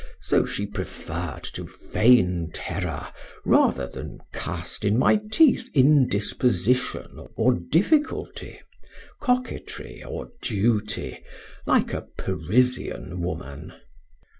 So she preferred to feign terror rather than cast in my teeth indisposition or difficulty, coquetry or duty, like a Parisian woman.